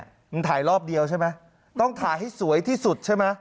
มันถ่ายรอบเดียวใช่ไหมต้องถ่ายให้สวยที่สุดใช่ไหม